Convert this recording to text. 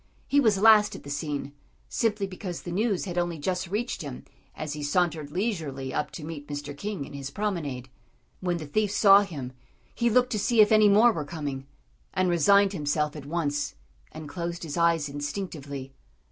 He was last at the scene, simply because the news had only just reached him as he sauntered leisurely up to meet Mr. King in his promenade. When the thief saw him, he looked to see if any more were coming, and resigned himself at once and closed his eyes instinctively.